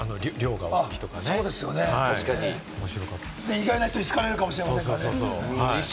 意外な人に好かれるかもしれません。